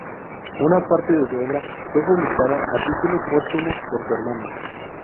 Una parte de su obra fue publicada a título póstumo por su hermano.